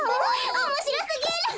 おもしろすぎる！